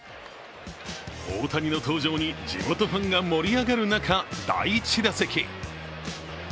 大谷の登場に地元ファンが盛り上がる中、第１打席。